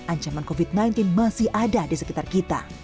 ancaman covid sembilan belas masih ada di sekitar kita